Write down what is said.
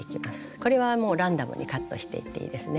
これはもうランダムにカットしていっていいですね。